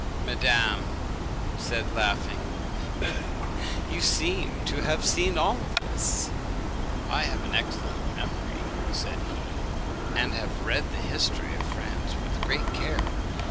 Madame said, laughing, 'You seem to have seen all this.' 'I have an excellent memory,' said he, 'and have read the history of France with great care.